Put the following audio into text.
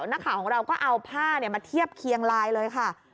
นักข่าวของเราก็เอาผ้ามาเทียบเคียงลายเลยค่ะ